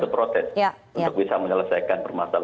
untuk bisa menyelesaikan permasalahan